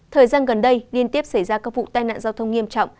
thời gian gần đây liên tiếp xảy ra các vụ tai nạn giao thông nghiêm trọng